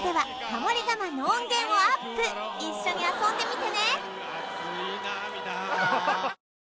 一緒に遊んでみてね